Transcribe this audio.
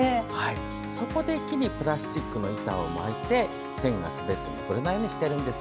そこで木にプラスチックの板を巻いてテンが滑って登れないようにしたんです。